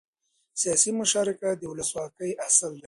سیاسي مشارکت د ولسواکۍ اصل دی